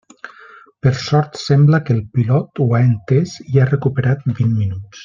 Per sort sembla que el pilot ho ha entès i ha recuperat vint minuts.